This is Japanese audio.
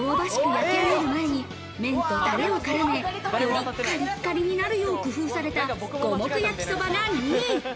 焼き上げる前に麺とタレを絡め、よりカリカリになるよう工夫された五目焼そばが２位。